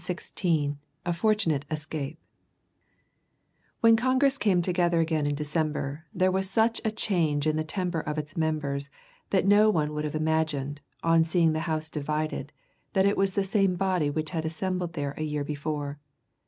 ] CHAPTER XVI A FORTUNATE ESCAPE When Congress came together again in December, there was such a change in the temper of its members that no one would have imagined, on seeing the House divided, that it was the same body which had assembled there a year before.